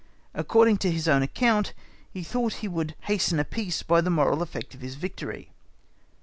According to his own account, he thought he would hasten a peace by the moral effect of his victory.